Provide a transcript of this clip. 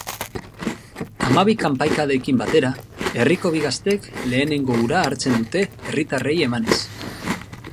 Hamabi kanpaikadekin batera, herriko bi gaztek lehenengo ura hartzen dute herritarrei emanez.